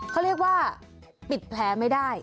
เขาเรียกว่าปิดแผลไม่ได้